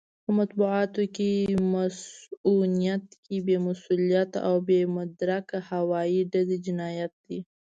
په مطبوعاتي مصؤنيت کې بې مسووليته او بې مدرکه هوايي ډزې جنايت دی.